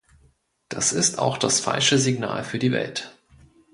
Das ist auch das falsche Signal für die Welt.